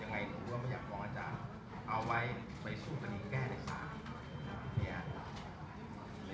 ยังไงที่ทุกคนไม่อยากฟ้องอาจารย์เอาไว้ไปสู้คุณีแก้ในศาม